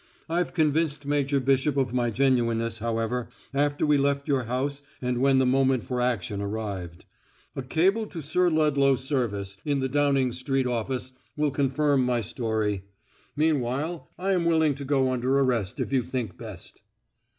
I've convinced Major Bishop of my genuineness, however after we left your house and when the moment for action arrived. A cable to Sir Ludlow Service, in the Downing Street office, will confirm my story. Meanwhile I am willing to go under arrest if you think best."